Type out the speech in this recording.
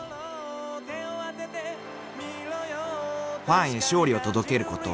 ［ファンへ勝利を届けること］